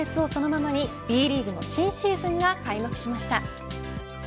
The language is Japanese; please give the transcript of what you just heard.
その熱をそのままに、Ｂリーグの新シーズンが開幕しました。